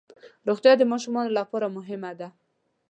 روغتیا د ماشومانو لپاره مهمه ده.